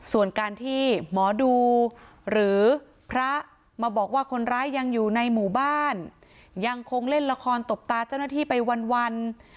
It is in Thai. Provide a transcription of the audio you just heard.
ส่วนการที่หมอดูหรือพระมาบอกว่าคนร้ายยังอยู่ในหมู่บ้านยังคงเล่นละครตบตาเจ้าหน้าที่ไปวัน